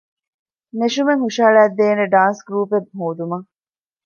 ނެށުމެއް ހުށަހަޅައިދޭނެ ޑާންސް ގްރޫޕެއް ހޯދުމަށް